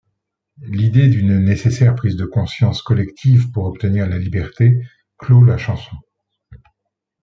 L'idée d'une nécessaire prise de conscience collective pour obtenir la liberté clôt la chanson.